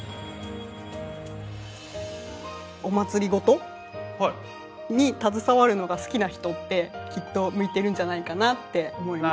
お祭りごとに携わるのが好きな人ってきっと向いてるんじゃないかなって思います。